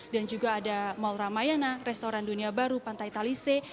dan juga ada mall ramayana restoran dunia baru pantai talise